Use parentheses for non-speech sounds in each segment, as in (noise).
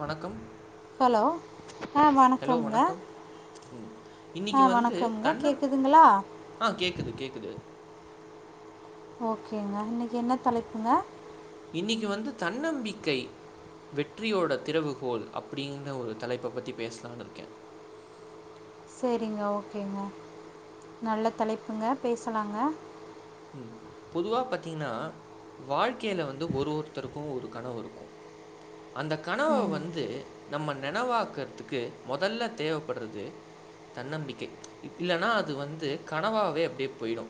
வணக்கம் ஹலோ ஆ ஹலோ வணக்கம்ங்க வணக்கம் ம் ஆ இன்னிக்கு வந்து வணக்கம்ங்க தன்னம் கேட்குதுங்களா ஆ கேக்குது கேக்குது ஓகேங்க இன்னிக்கு என்ன தலைப்புங்க இன்னைக்கு வந்து தன்னம்பிக்கை வெற்றியோட திறவுகோல் அப்டின்ற ஒரு தலைப்ப பத்தி பேசலான்னு இருக்கே சேரிங்க ஓகேங்க நல்ல தலைப்புங்க பேசலாங்க ம் பொதுவா பாத்தீங்கன்னா வாழ்க்கையில வந்து ஒரு ஒருத்தருக்கு ஒரு கனவு இருக்கு அந்த கன ம் வந்து நம்ம நெனைவாக்குறதுக்கு மொதல்ல தேவப்படுறது தன்னம்பிக்கை இல்லைன்னா அது வந்து கனவாவே அப்டியே போயிடு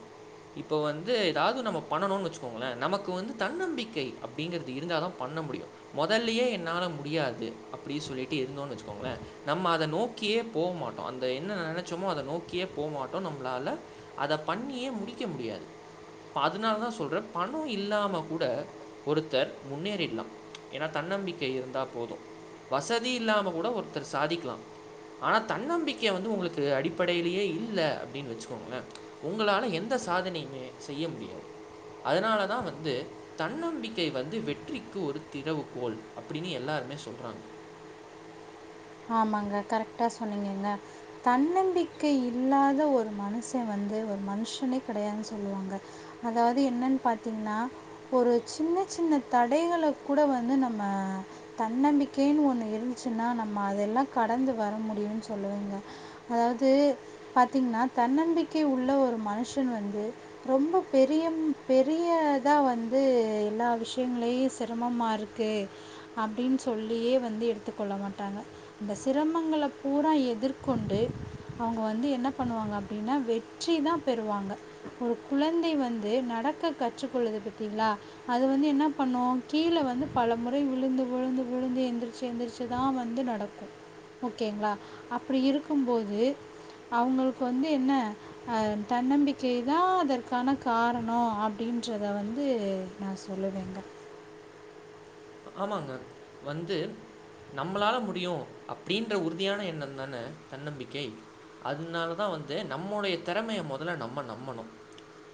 இப்போ வந்து ஏதாவது நம்ம பண்ணணுன்னு வச்சுக்கோங்களே நமக்கு வந்து தன்னம்பிக்கை அப்டிங்கிறது இருந்தாதா பண்ண முடியு மொதல்லயே என்னால முடியாது அப்டினு சொல்லிட்டு இருந்தோன்னு வச்சுக்கோங்களே நம்ம அத நோக்கியே போமாட்டோ அந்த என்ன நெனைச்சோமோ அத நோக்கியே போமாட்டோ நம்மளால அத பண்ணியே முடிக்க முடியாது இப்ப அதுனாலதா சொல்றே பணோ இல்லாம கூட ஒருத்தர் முன்னேறிட்லா ஏன்னா தன்னம்பிக்கை இருந்தா போதும் வசதி இல்லாம கூட ஒருத்தர் சாதிக்கலா ஆனா தன்னம்பிக்கைய வந்து உங்களுக்கு அடிப்படையிலேயே இல்ல அப்டின்னு வச்சுக்கோங்களே உங்களால எந்த சாதனையுமே செய்ய முடியாது அதனாலதா வந்து தன்னம்பிக்கை வந்து வெற்றிக்கு ஒரு திறவுகோல் அப்டின்னு எல்லாருமே சொல்றாங்க ஆமாங்க கரெக்ட்டா சொன்னிங்கங்க தன்னம்பிக்கை இல்லாத ஒரு மனுஷ வந்து ஒரு மனுஷனே கெடையாதுனு சொல்வாங்க அதாவது என்னன்னு பாத்தீங்கனா ஒரு சின்ன சின்ன தடைகளை கூட வந்து நம்ம தன்னம்பிக்கைன்னு ஒண்ணு இருந்துச்சுன்னா நம்ம அதெல்லா கடந்து வர முடியுனு சொல்லுவேங்க அதாவது பாத்தீங்கன்னா தன்னம்பிக்கை உள்ள ஒரு மனுஷன் வந்து ரொம்ப பெரிய பெரியதா வந்து எல்லா விஷயங்களையு சிரமமா இருக் க்கு அப்டின்னு சொல்லியே வந்து எடுத்துக்கொள்ள மாட் டாங்க அந்த சிரமங்கள பூரா எதிர்கொண்டு அவங்க வந்து என்ன பண்ணுவாங்க அப்டின்னா வெற்றிதா பெறுவாங்க ஒரு குழந்தை வந்து நடக்க கற்றுக்கொள்ளுது பாத்தீங்ளா அது வந்து என்ன பண்ணோ கீழ வந்து பல முறை விழுந்து விழுந்து விழுந்து எந்திரிச்சு எந்திரிச்சுதா வ வந்து நடக்கு ஒகேங்ளா அப்டி இருக்கும்போது அவங்களுக்கு வந்து என்ன அ தன்னம்பிக்கைதா அதற்கான காரணோ அப்டின்றத வந்து நா சொல்ல வேண்டா ஆமாங்க வந்து நம்பளால முடியு அப்டின்ற உறுதியான எண்ணம்தான தன்னம்பிக்கை அதனாலதா வந்து நம்முடைய திறமைய வந்து மொதல்ல நம்ம நம்பணு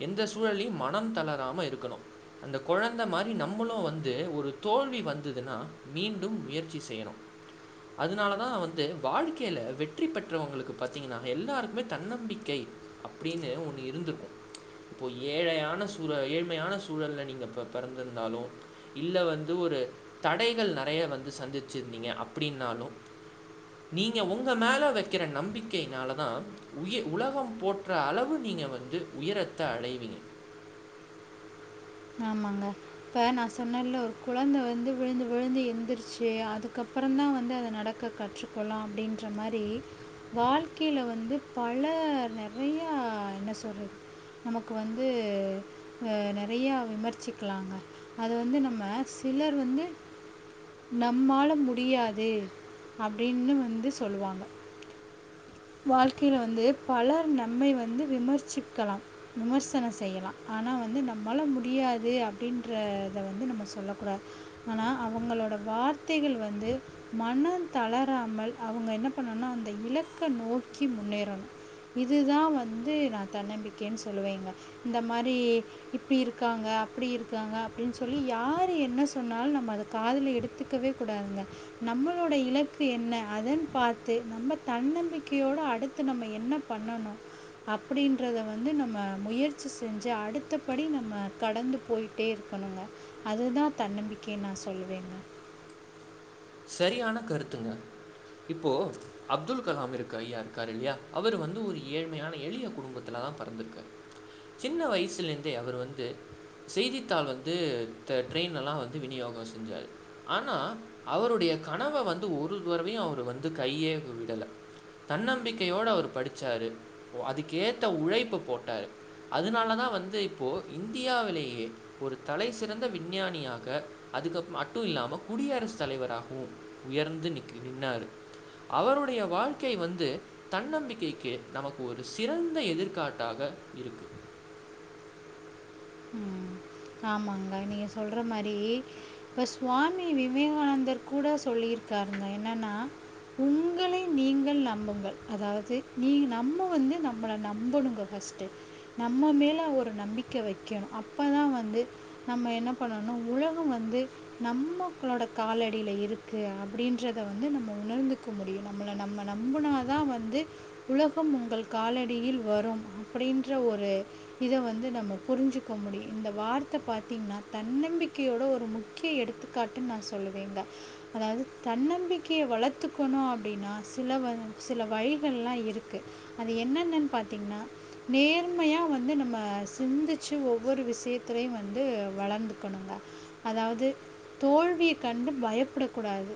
எந்த சூழலையும் மனம் தளராம இருக்கணும் அந்த கொழந்த மாரி நம்மளு வந்து ஒரு தோல்வி வந்துதுனா மீண்டும் முயற்சி செய்யனு அதுனாலதா வந்து வாழ்க்கையில வெற்றி பெற்றவங்களுக்கு பாத்தீங்கன்னா எல்லாருக்குமே தன்னம்பிக்கை அப்டின்னு ஒண்ணு இருந்துருக்கு இப்போ ஏழையான சூழ ஏழ்மையான சூழல்ல நீங்க பெ பெறந்திருந்தாலு இல்ல வந் து ஒரு தடைகள் நெறைய வந்து சந்திச்சிருந்தீங்க அப்டின்னாலு நீங்க உங்க மேலே வைக்கிற நம்பிக்கையினாலதா உய உலகம் போற்ற அளவு நீங்க வந்து உயரத்த அடைவீங்க ஆமாங்க இப்ப நா சொன்னேன்ல ஒரு குழந்தை வந்து விழுந்து விழுந்து எந்திருச்சு அதுக்கப்புறோ தா வந்து அத நடக் க கற்றுக்கொல்லா அப்டின்ற மாறி வாழ்க்கையில வந்து பல நெறய என்ன சொல்றது நமக்கு வந்து அ நெறய விமர்ச் சிக்கலாங்க அது வந்து நம்ம சிலர் வந்து நம்மால முடியாது அப்படின்னு வந்து சொல்லுவாங்க வாழ்க்கையில வந்து பலர் நம்மை வந்து விமர்சிக்கலாம் விமர்சனோ செய்யலா ஆனா வந்து நம்மால முடியாது அப்படின்றத வந்து நம்ம சொல்ல கூடாது ஆனா அவங்களோட வார்த்தைகள் வந்து மனம் தளராமல் அவங்க என்ன பண்ணுன்னா அந்த இலக்க நோக்கி முன்னேறணூ இதுதா வந்து நா தன்னம்பிக்கைன்னு சொல்லுவேங்க இந்த மாறி இப்டி இருக்காங்க அப்டி இருக்காங்க அப்படின்னு சொல்லி யாரு என்ன சொன்னாலும் நம்ம அதை காதல எடுத்துக் குவே கூடாதுங்க நம்மளோட இலக்கு என்ன அதன் பார்த்து நம்ம தன்னம் தன்நம்பிக்கையோட அடுத்து நம்ம என்ன பண்ணாணோ அப்படின்றத வந்து நம்ம முயற்சி செஞ்சு அடுத்தபடி நம்ம கடந்து போய் டே இருக்கணுங்க அதுதா தன்னம்பிக்கைன்னு நா சொல்லுவேங்க சரியான கருத்துங்க இப்போ அப்துல் கலாம் இருக்கு ஐயா இருக்கார் இல்லயா அவர் வந்து ஒரு ஏழ்மையான எளிய குடும்பத்துல தா பெறந்திருக்காரு சின்ன வயசுலேருந்தே அவர் வந்து செய்தித்தாள் வந்து த ட்ரெயின்லா வந்து விநியோகோ செஞ்சாரு ஆனா அவருடைய கனவு வந்து ஒரு தறவையும் அவரு வந்து கையே விடல தன்னம்பிக்கையோடு அவர் படிச்சாரு ப்பே அதுக்கேத்த உழைப்பு போட்டாரு அதனால தா வந்து இப்போ இந்தியாவிலேயே ஒரு தலை சிறந்த விஞ்ஞானியாக அதுக்குப் மட்டுந் இல்லாம குடியரசு குடியரசு தலைவராகவூ உயர்ந்து நிக்கு நின்னாரூ அவருடைய வாழ்க்கை வந்து தன்னம்பிக்கைக்கு நமக்கு ஒரு சிறந்த எதிர்காட்டாக இருக்கு ம் ஆமாங்க நீங்க சொல்ற மாரி இப்ப சுவாமி விவேங்கானந்தர் கூட சொல்லியிருக்காருங்க என்னன்னா உங்களை நீங்கள் நம்புங்கள் அதாவது நீ நம்ம வந்து நம்மளை நம்பணுங்க ஃபர்ஸ்ட் நம்ம மேல ஒரு நம்பிக்கை வைக்கணோ அப்பதா வந்து வே நம்ம என்ன பண்ணனோ உலகம் வந்து நம்மக்களோட காலடியில இருக்கு அப்படின்றத வந்து நம்ம உணர்ந்துக் முடியூ நம்ம நம்பனாதா வந்து உலகம் உங்கள் காலடியில் வரோ அப்படின்ற ஒரு இத வந்து நம்ம புரிஞ்சுக்க முடியூ இந்தப் வார்த்தை பாரத்தீங்கன்னா தன்னம்பிக்கையோட ஒரு முக்கிய எடுத்துக்காட்டுன்னு நா சொல்லுவேங்க அதாவது தன்னம்பிக்கையை வளர்த்துக்கணூ அப்படின்னா சில வ சில வழிகள்ல்லா இருக்கு அது என்னன்னன்னு பாத்தீங்கன்னா நேர்மையா வந்து நம்ம சிந்திச்சு ஒவ்வொரு விஷயத் துரை வந்து வளர்ந்துக்கணுங்க அதாவது தோல்விய கண்டு பயப்படக்கூடாது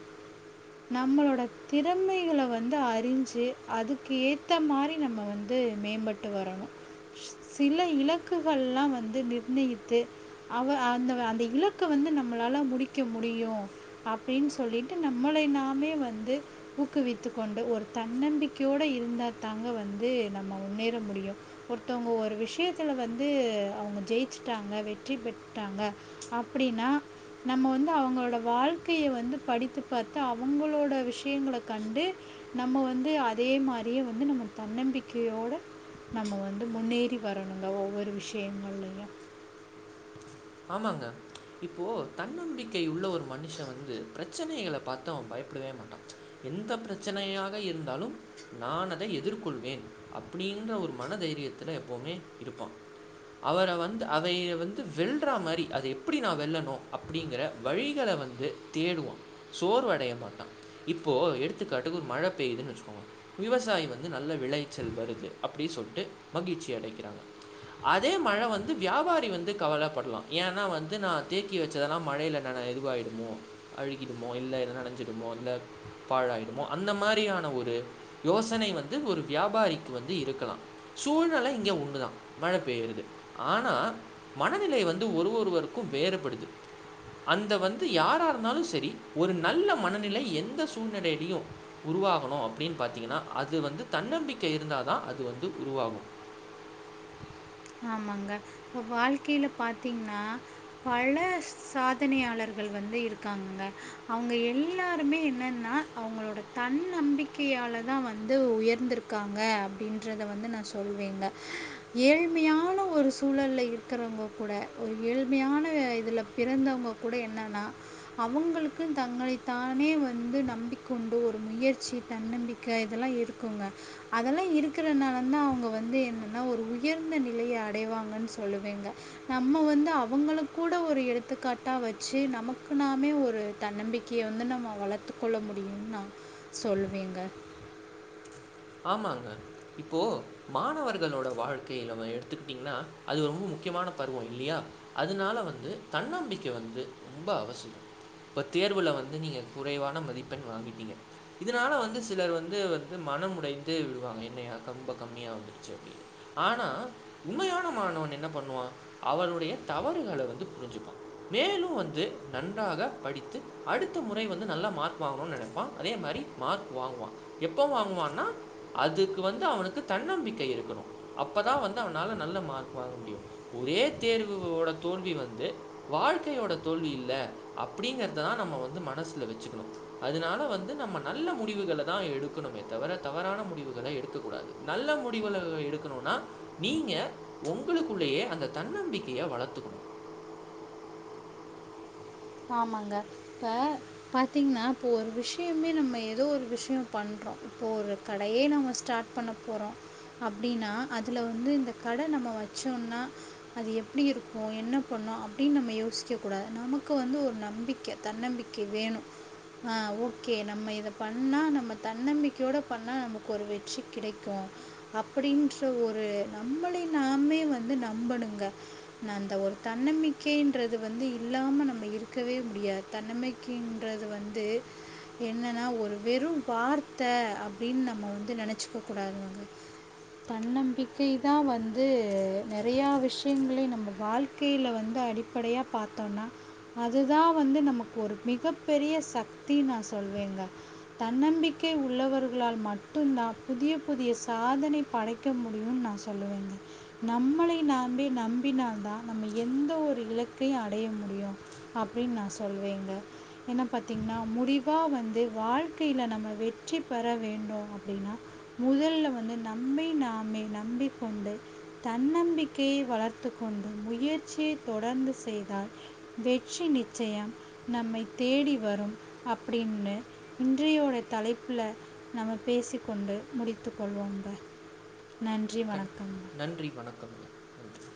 நம்மளோட திறமைகளை வந்து அறிஞ்சு அதுக்கு ஏத்த மாதிரி நம்ம வந்து மேம்படுத் வரணும் சில இலக்குகள்ல்லா வந்து நிர்ணயித் த்து அவ அந்த அந்த இலக்க வந்து நம்மளால முடிக்க முடியு அப்டின்னு சொல்லிட்டு நம்மளை நாமே வந்து ஊக்குவித்துக்க கொண்டு ஒரு தன்னம்பிக்கையோட இருந்தா தாங்க வந்து நம்ம முன்னேற முடியு ஒருத்தவங்க ஒரு விஷ்யத்துல வந்து அவுங்க ஜெயிச்சு டாங்க வெற்றி பெட்டாங்க அப்டின்னா நம்ம வந்து அவுங்களோட வாழ்க்கைய வந்து படித்து பாத்து அவுங்களோட விஷ்யங்க கண்டு நம்ம வந்து அதே மாரியே வந்து நம்ம தன்னம்பிக்கையோட நம்ம வந்து முன்னேறி வரணுங்க ஒவ்வொரு விஷ்யங்கள்லையு ஆமாங்க இப்போ தன்னம்பிக்கை உள்ள ஒரு மனுஷ வந்து ப்ரச்சனைகள பாத்து அவ பயப்படவே மாட்டா எந்த ப்ரச்சனையாக இருந்தாலு நா அதை எதிர்கொள்வே அப்டின்ற ஒரு மனதைரியத்துல எப்வுமே இருப்பா அவர வந்து அவை வந்து வெல் றா மாரி அதை எப்டி நா வெல்லணு அப்டிங்கற வழிகள வந்து தேடுவா சோர்வடைய மாட்டா இப்போ எடுத்துக்கட்டுக்கு ஒரு மழ பெய்துன்னு வச்சுக்கோங் விவசாயி வந்து நல்ல விளைச்சல் வருது அப்டி சொல்ட்டு மகிழ்ச்சி அடைக்கிறாங்க அதே மழ வந்து வியாபாரி வந்து கவலப்பட் டுலா ஏன்னா வந்து நா தேக்கி வச்சதெல்லா மழையில நன இதுவாயிடுமோ அழுகிடுமோ இல்ல ஏது நெனஞ்சிடுமோ இல்ல பாழாயிடுமோ அந்த மாதிரியான ஒரு யோசனை வந்து ஒரு வியாபாரிக்கு வந்து இருக்கலா சூழ்நெல இங்க ஒன்னுதா மழ பெய்யுரது ஆனா மனநிலை வந் து ஒரு ஒருவர்க்கு வேறுப்படுது அந்த வந்து யாரா இருந்தாலு செரி ஒரு நல்ல மனநிலை எந்த சூழ்நிலையிலியு உருவாகணு அப்டின்னு பாத்தீங்கன்னா அது வந்து தன்னம்பிக்கை இருந்தாதா அது வந்து உருவாகு ஆமாங்க இப்ப வாழ்க்கையில பாத்தீங்கன்னா பல சாதனையாளர்கள் வந்து இருக்காங்கங்க அவுங்க எல்லாருமே என்ன ஒரு தன்னம்பிக்கையால தா வந்து உயர்ந்திருக்காங்க அப்டின்றத வந்து நா சொல்வேங்க ஏழு (inaudible) ஒரு சூழலல்ல இருக்கிறவங்க கூட ஒரு ஏழ்மையான இதில பிறந்தவங்க கூட என்னன்னா அவுங்களுக்கு தங்களைத்தானே வந்து நம்பிக்கொண்டு ஒரு முயற்சி தன்னம்பிக் க இதெல்லா இருக்குங்க அதெல்லா இருக்கறனால தா அவுங்க வந்து என்னன்னா ஒரு உயர் ந்த நிலைய அடைவாங்கன்னு சொல்லுவேங்க நம்ம வந்து அவுங்கல கூட ஒரு எடுத்துக்காட்டா வச்சு நமக்கு நாமே ஒரு தன்னம்பிக் கிய வந்து நம்ம வளர்த்து கொள்ள முடியு நா சொல்லுவேங்க ஆமாங்க இப்போ மாணவர்களோட வாழ்க்கைய நம்ம எடுத்துக்கிட்டீங்கன்னா அது ரொம்ப முக்கியமான பருவோ இல்லியா அதனால வந்து தன்னம்பிக்கை வந்து ரொம்ப அவசியோ இப்ப தேர்வுல வந்து நீங்க குறைவான மதிப்பெண் வாங்கிட்டீங்க இதுனால வந்து சிலர் வந்து வந்து மனம் உடைந்து விடுவாங்க என்னாயா ரொம்ப கம்மியா வந்துருச்சு அப்டின்னு ஆனா உண்மையான மாணவன் என்ன பண்ணுவா அவருடைய தவறுகள வந்து புரிஞ்சுப்பா வேலு வந்து நன்றாக படித்து அடுத்த முறை வந்து நல்ல மார்க் வாங்கணு நெனைப்பா அதே மாதிரி மார்க் வாங்குவா எப்ப வாங்குவான்னா அதுக்கு வந்து அவனுக்கு தன்னம்பிக்கை இருக்கணு அப்பதா வந்து அவனால நல்ல மார்க் வாங்க முடியு ஒரே தேர்வோட தோல்வி வந்து வாழ்க்கையோட தோல்வி இல்ல அப்டிங்கறதா நம்ம வந்து மனசுல வச்சுக்கணு அதனால வந்து நம்ம நல்ல முடிவுகள தா எடுக்கணுமே தவர தவறான முடிவுகள எடுக்க கூடாது நல்ல முடிவுகள் எடுக்கணும்னா நீங்க உங்களுக்குள்ளயே அந்த தன்னம்பிக்கைய வளத்துக்கணு ஆமாங்க இப்ப பாத்தீங்கனா இப்போ ஒரு விஷயமே நம்ம ஏதோ ஒரு விஷயம் பண்றோ இப்போ ஒரு கடயே நம்ம ஸ்டாட் பண்ண போறோ அப்டின்னா அதுல வந்து இந்த கட நம்ம வச்சோம்னா அது எப்டி இருக்கு என்ன பண்ணு அப்டின் நம்ம யோசிக்க கூடாது நமக் க்கு வந்து ஒரு நம்பிக்க தன்னம்பிக்க வேனு ஆ ஓகே நம்ம இத பண்ணா நம்ம தன்னம்பிக்கையோட பண்ணா நமக்கு ஒரு வெற்றி கிடைக்கு அப்டீன்ற ஒரு நம்மளை நாமே வந்து நம்பணுங்க நா அந்த ஒரு தன்னம்பிக்கைன்றது வந்து இல்லாம நம்ம இருக்கவே முடியாது தன்னமைக்கின்றது வந்து என்னன்னா ஒரு வெறு வார்த்த அப்டின் நம்ம வந்து நெனச்சுக்க கூடாதுங்க தன்னம்பிக்கை தா வந்து நெறயா விஷயங்கள நம்ம வாழ்க்கையில வந்து அடிப்ப ப்படையா பாத்தோன்னா அதுதா வந்து நமக்கு ஒரு மிகப் பெரிய சக்தி நா சொல்லுவேங்க தன்னம்பிக்கை உள்ளவர்களால் மட்டுந்தான் புதிய புதிய சாதனை படை க்க முடியுன்னு நா சொல்லுவேங்க நம்மளை நாமே நம்பினால் தா நம்ம எந்த ஒரு இலக்கையு அடைய முடியு அப்டின் நா சொல்லுவேங்க என்ன பாத்தீங்னா முடிவா வந்து வாழ்க்கையில நம்ம வெற்றி பெற வேண்டு அப்டின்னா முதல்ல வந்து நம்மை நாமே நம்பிக் கொண்டு தன்னம்பிக்கையை வளர்த்து கொண்டு முயற்சியை தொடர்ந்து செய்தால் வெ ற்றி நிச்சயம் நம்மை தேடி வரும் அப்டின்னு இன்றையோட தலைப்புல நம்ம பேசிக் கொண்டு முடித்து கொள்வோங்க கண் நன்றி வணக்கம் நன்றி